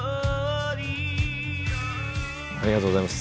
ありがとうございます。